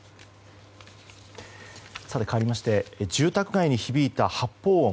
かわりまして住宅街に響いた発砲音。